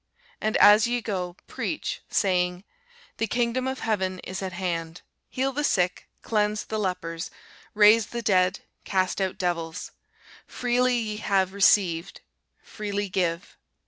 And as ye go, preach, saying, The kingdom of heaven is at hand. Heal the sick, cleanse the lepers, raise the dead, cast out devils: freely ye have received, freely give.